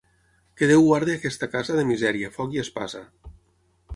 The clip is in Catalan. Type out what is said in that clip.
Que Déu guardi aquesta casa de misèria, foc i espasa.